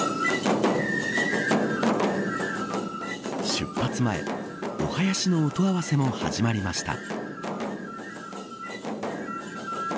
出発前お囃子の音合わせも始まりました。